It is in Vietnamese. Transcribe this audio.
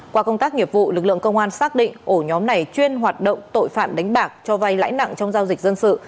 qua công tác nghiệp vụ lực lượng công an xác định ổ nhóm này chuyên hoạt động tội phạm đánh bạc cho vay lãi nặng trong giao dịch dân sự